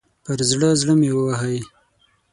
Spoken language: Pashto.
پر زړه، زړه مې ووهئ